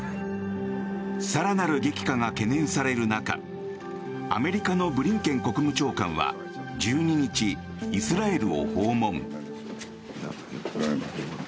更なる激化が懸念される中アメリカのブリンケン国務長官は１２日イスラエルを訪問。